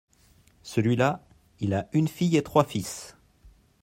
celui-là il a une fille et trois fils.